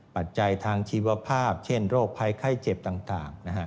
ปัจจัยทางชีวภาพเช่นโรคภัยไข้เจ็บต่าง